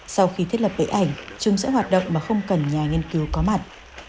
sau khi thiết lập bức ảnh chúng sẽ hoạt động mà không cần nhà nghiên cứu có mặt